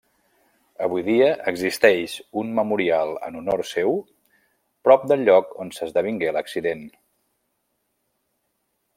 Avui dia existeix un memorial en honor seu prop del lloc on s'esdevingué l'accident.